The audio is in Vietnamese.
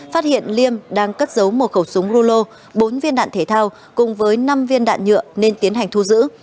phát hiện liêm đang cất giấu một khẩu súng rulo bốn viên đạn thể thao cùng với năm viên đạn nhựa nên tiến hành thu giữ